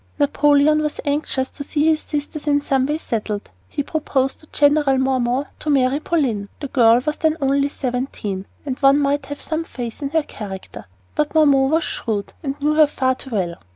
Napoleon was anxious to see his sisters in some way settled. He proposed to General Marmont to marry Pauline. The girl was then only seventeen, and one might have had some faith in her character. But Marmont was shrewd and knew her far too well.